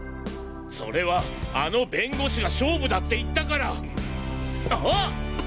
それはあの弁護士が勝負だって言ったからあっ！？